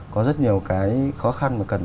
có rất nhiều cái khó khăn mà cần